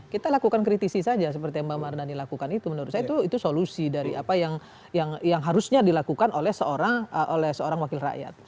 kita lakukan kritisi saja seperti yang mbak mardhani lakukan itu menurut saya itu solusi dari apa yang harusnya dilakukan oleh seorang wakil rakyat